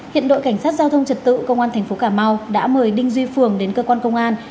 hiện đội cảnh sát giao thông trật tự công an thành phố cà mau đã mời đinh duy phường đến cơ quan công an